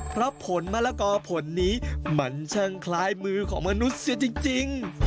เพราะผลมะละกอผลนี้มันช่างคล้ายมือของมนุษย์เสียจริง